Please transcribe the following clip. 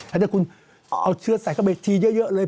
อันนี้คุณเอาเชื้อใส่เข้าไปอีกทีเยอะเลย